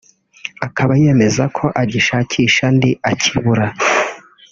Akaba yemeza ko agishakisha andi akibura